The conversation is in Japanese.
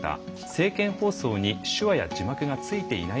政見放送に手話や字幕がついていないことがある。